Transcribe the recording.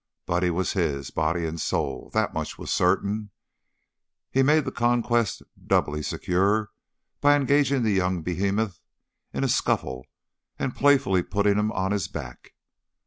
Buddy was his, body and soul, that much was certain; he made the conquest doubly secure by engaging the young Behemoth in a scuffle and playfully putting him on his back.